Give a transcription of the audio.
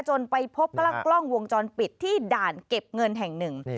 ไปพบกล้องวงจรปิดที่ด่านเก็บเงินแห่งหนึ่ง